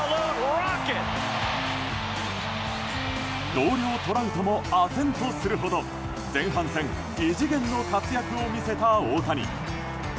同僚トラウトもあぜんとするほど前半戦異次元の活躍を見せた大谷。